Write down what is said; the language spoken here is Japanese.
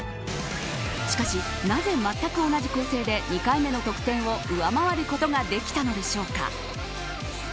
しかし、なぜまったく同じ構成で２回目の得点を上回ることができたのでしょうか。